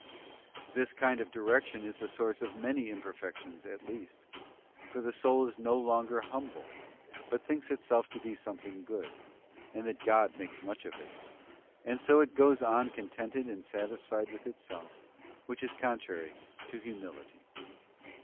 This kind of direction is the source of many imperfections at least, for the soul is no longer humble, but thinks itself to be something good, and that God makes much of it; and so it goes on contented and satisfied with itself, which is contrary to humility.